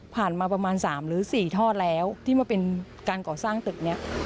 มาประมาณ๓หรือ๔ทอดแล้วที่มาเป็นการก่อสร้างตึกนี้